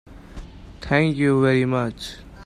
Thank you very much.